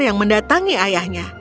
yang mendatangi ayahnya